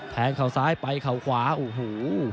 แทงเขาซ้ายไปเขาขวาอู้หู